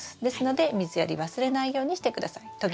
ですので水やり忘れないようにして下さい。